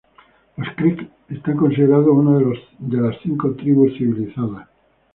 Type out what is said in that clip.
Los creeks son considerados una de las Cinco Tribus Civilizadas.